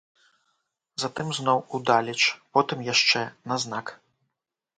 Затым зноў удалеч, потым яшчэ на знак.